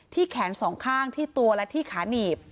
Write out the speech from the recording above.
แขนสองข้างที่ตัวและที่ขาหนีบ